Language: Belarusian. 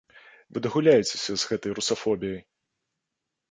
Вы дагуляецеся з гэтай русафобіяй!